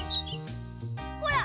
ほら！